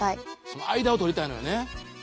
その間を取りたいのよね。